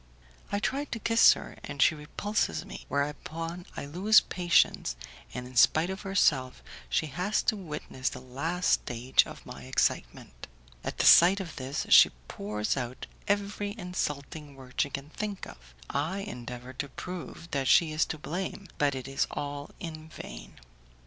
I try to kiss her, and she repulses me, whereupon I lose patience, and in spite of herself she has to witness the last stage of my excitement. At the sight of this, she pours out every insulting word she can think of; I endeavour to prove that she is to blame, but it is all in vain.